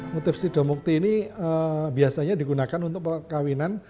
motif sidomukti ini biasanya digunakan untuk perkawinan